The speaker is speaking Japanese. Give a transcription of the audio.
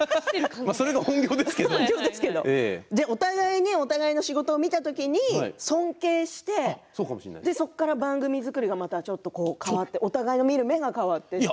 お互いに、お互いの仕事を見た時に尊敬してそこから番組作りがちょっと変わって、お互いの見る目が変わっていって。